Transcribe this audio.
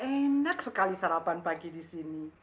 enak sekali sarapan pagi disini